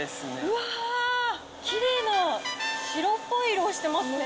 きれいな白っぽい色してますね。